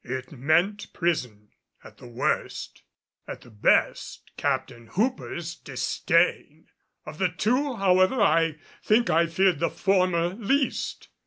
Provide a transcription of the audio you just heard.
It meant prison, at the worst; at the best, Captain Hooper's disdain. Of the two, however, I think I feared the former least.